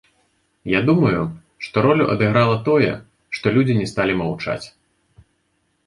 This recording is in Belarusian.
Я думаю, што ролю адыграла тое, што людзі не сталі маўчаць.